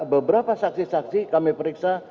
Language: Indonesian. beberapa saksi saksi kami periksa